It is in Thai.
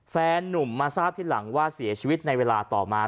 แฟนนุ่มมาทราบทีหลังว่าเสียชีวิตในเวลาต่อมา